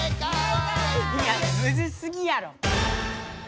いやむずすぎやろ。